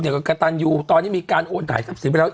กับกระตันยูตอนนี้มีการโอนถ่ายทรัพย์สินไปแล้ว